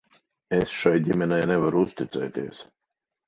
Es šai ģimenei nevaru uzticēties.